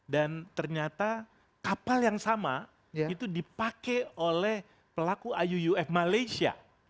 dan ternyata kapal yang sama itu dipakai oleh pelaku iuuf malaysia